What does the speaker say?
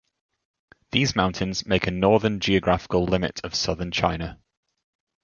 These mountains make a northern geographical limit of southern China.